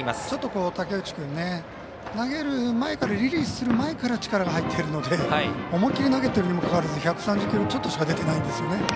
ちょっと武内君投げる前からリリースする前から力が入っているので思い切り投げているのにもかかわらず１３０キロちょっとしか出てないんですよね。